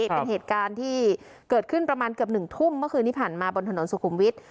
เป็นเหตุการณ์ที่เกิดขึ้นประมาณเกือบ๑ทุ่มเมื่อคืนที่ผ่านมาบนถนนสุขุมวิทย์